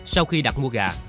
sau khi đặt mua gà